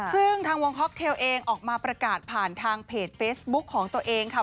ซึ่งทางวงฮ็อกเทลเองออกมาประกาศผ่านทางเพจเฟซบุ๊คของตัวเองค่ะ